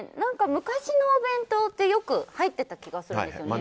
昔のお弁当ってよく入ってた気がするんですよね。